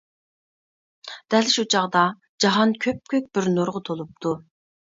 دەل شۇ چاغدا، جاھان كۆپكۆك بىر نۇرغا تولۇپتۇ.